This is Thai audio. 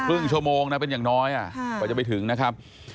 ครึ่งชั่วโมงนะเป็นอย่างน้อยกว่าจะไปถึงนะครับ